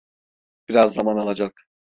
Biraz zaman alacak.